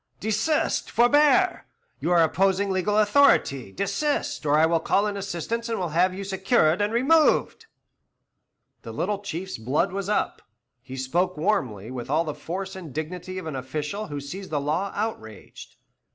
"Desist forbear! You are opposing legal authority; desist, or I will call in assistance and will have you secured and removed." The little Chief's blood was up; he spoke warmly, with all the force and dignity of an official who sees the law outraged.